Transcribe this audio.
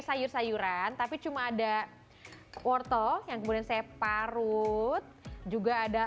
sayur sayuran tapi cuma ada wortel yang kemudian saya parut juga ada